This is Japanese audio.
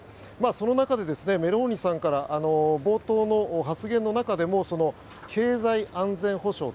その中で、メローニさんから冒頭の発言の中でも経済安全保障。